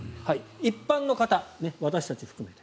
一般の方、私たち含めて。